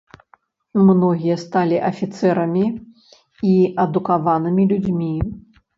Многія сталі афіцэрамі і адукаванымі людзьмі.